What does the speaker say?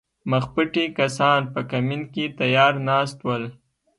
مخپټي کسان په کمین کې تیار ناست ول